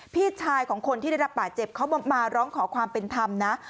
พี่ชายของคนที่ได้รับบาดเจ็บเขามาร้องขอความเป็นธรรมนะ